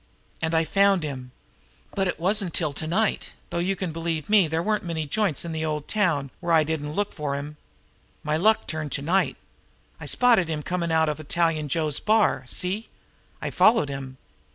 And I found him! But it wasn't until to night, though you can believe me there weren't many joints in the old town where I didn't look for him. My luck turned to night. I spotted him comin' out of Italian Joe's bar. See? I followed him.